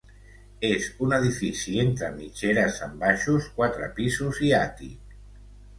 És un edifici entre mitgeres amb baixos, quatre pisos i àtic.